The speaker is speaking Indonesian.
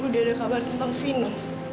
udah ada kabar tentang film